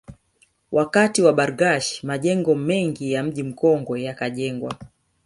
Wakati wa Bargash majengo mengi ya Mji Mkongwe yakajengwa